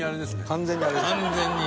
完全に。